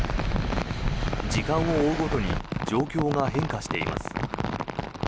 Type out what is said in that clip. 時間を追うごとに状況が変化しています。